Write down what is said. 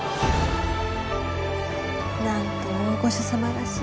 なんと大御所様らしい。